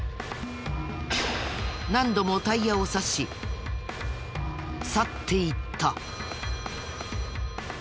何度もタイヤを刺し去っていった。